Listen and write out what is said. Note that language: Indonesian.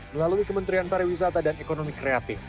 melalui kementerian pariwisata dan ekonomi kreatif